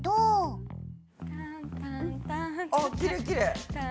ああきれいきれい。